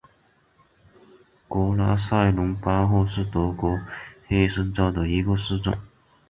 格拉塞伦巴赫是德国黑森州的一个市镇。